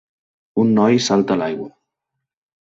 Un noi salta a l'aigua